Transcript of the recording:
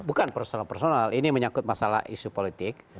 bukan personal personal ini menyangkut masalah isu politik